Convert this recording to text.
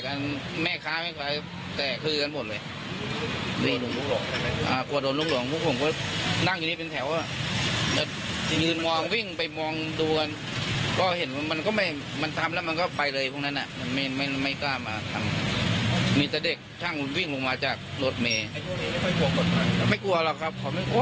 คำกันบ่อยแล้วค่ะบ่อยเลยครับ